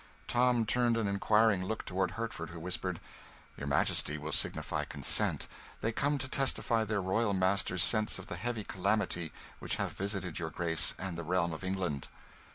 Tom turned an inquiring look toward Hertford, who whispered "Your Majesty will signify consent. They come to testify their royal masters' sense of the heavy calamity which hath visited your Grace and the realm of England."